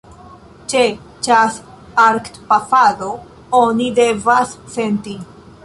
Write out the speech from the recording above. Ĉe ĉas-arkpafado oni devas senti.